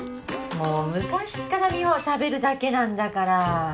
もう昔っから美帆は食べるだけなんだから。